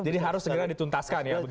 jadi harus segera dituntaskan ya begitu